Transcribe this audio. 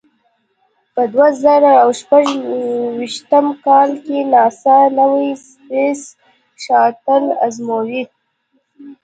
په دوه زره او شپږ ویشتم کال کې ناسا نوې سپېس شاتل ازموي.